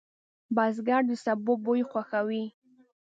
بزګر د سبو بوی خوښوي